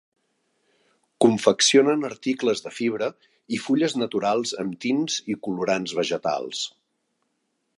Confeccionen articles de fibra i fulles naturals amb tints i colorants vegetals.